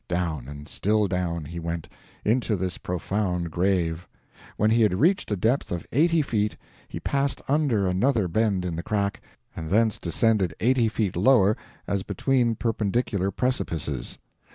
Down, and still down, he went, into this profound grave; when he had reached a depth of eighty feet he passed under another bend in the crack, and thence descended eighty feet lower, as between perpendicular precipices.